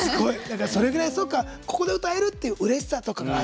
それぐらいここで歌えるといううれしさとかが。